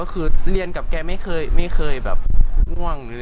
คือเรียนกับแกไม่เคยแบบง่วง